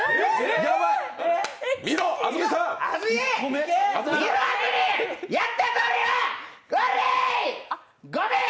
見ろ、安住さん！